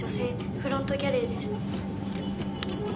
フロントギャレーです。